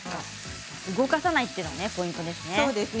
動かさないというのがポイントですね。